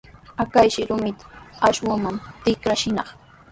Achkayshi rumita akshuman tikrachinaq.